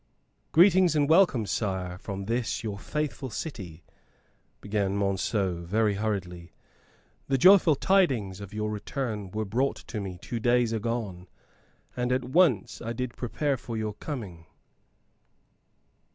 "Greetings and welcome, sire, from this your faithful city," began Monceux, very hurriedly. "The joyful tidings of your return were brought to me two days agone, and at once I did prepare for your coming."